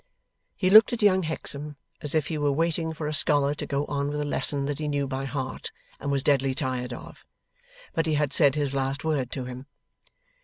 He looked at young Hexam as if he were waiting for a scholar to go on with a lesson that he knew by heart and was deadly tired of. But he had said his last word to him.